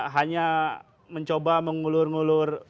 hanya mencoba mengulur ngulur